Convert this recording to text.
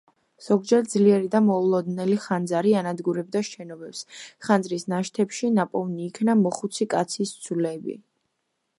ზოგჯერ ძლიერი და მოულოდნელი ხანძარი ანადგურებდა შენობებს, ხანძრის ნაშთებში ნაპოვნი იქნა მოხუცი კაცის ძვლები.